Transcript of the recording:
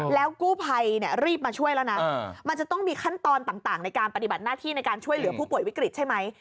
แล้วกู้ภัยรีบมาช่วยแล้วนะมันจะต้องมีขั้นตอนต่างในการปฏิบัติหน้าที่ในการช่วยเหลือผู้ป่วยวิกฤตใช่ไหม